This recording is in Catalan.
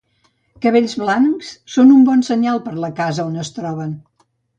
Cabells blancs són un bon senyal per a la casa on es troben.